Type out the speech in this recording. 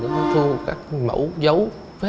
nó thu các mẫu dấu vết